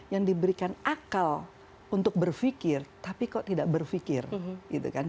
yang diberikan akal untuk berpikir tapi kok tidak berpikir gitu kan